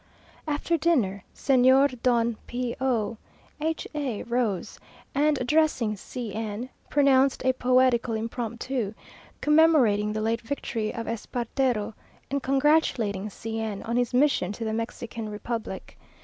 After dinner, Señor Don P o H a rose, and, addressing C n, pronounced a poetical impromptu, commemorating the late victory of Espartero, and congratulating C n on his mission to the Mexican republic.